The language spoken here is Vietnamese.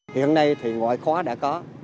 điều này thì ngoại khóa đã có